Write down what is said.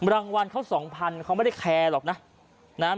รางวัลเขา๒๐๐เขาไม่ได้แคร์หรอกนะ